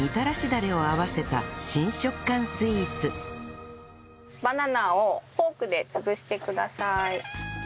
ダレを合わせた新食感スイーツバナナをフォークで潰してください。